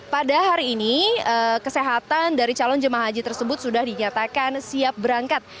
pada hari ini kesehatan dari calon jemaah haji tersebut sudah dinyatakan siap berangkat